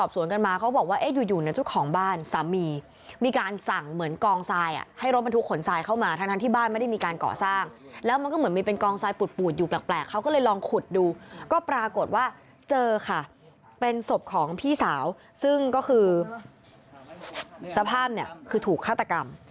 ซึ่งก็คือสภาพคือถูกฆาตกรรม